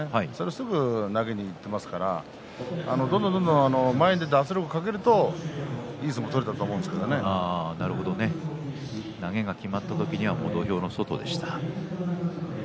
すぐに投げにいっていますからどんどんどんどん前に出て圧力をかけるといい相撲が投げがきまった時には土俵の外でした。